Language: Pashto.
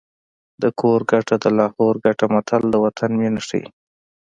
د کور ګټه د لاهور ګټه متل د وطن مینه ښيي